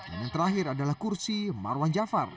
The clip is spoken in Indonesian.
dan yang terakhir adalah kursi marwan jafar